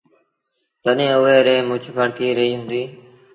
تڏهيݩ اُئي ريٚ مڇ ڦڙڪي رهيٚ هُݩدي۔